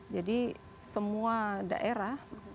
jadi semua daerah